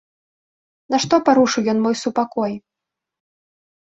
Нашто парушыў ён мой супакой?